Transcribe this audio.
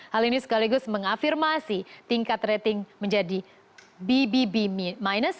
hal ini sekaligus mengafirmasi tingkat rating menjadi bbb minus